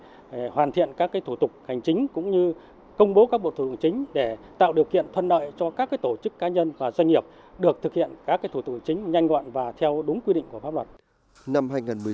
để hoàn thiện các thủ tục hành chính cũng như công bố các bộ thủ tục chính để tạo điều kiện thuận lợi cho các tổ chức cá nhân và doanh nghiệp được thực hiện các thủ tục chính nhanh gọn và theo đúng quy định của pháp luật